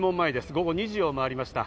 午後２時を回りました。